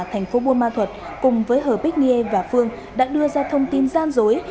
thành phố buôn ma thuật cùng với hờ bích niê và phương đã đưa ra thông tin gian dối